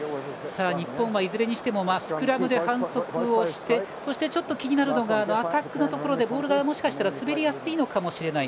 日本はいずれにしてもスクラムで反則してそして、気になるのがアタックのところでボールがもしかしたら滑りやすいのかもしれない。